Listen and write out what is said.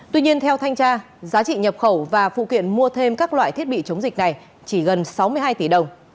tuy nhiên theo thanh tra giá trị nhập khẩu và phụ kiện mua thêm các loại thiết bị chống dịch này chỉ gần sáu mươi hai tỷ đồng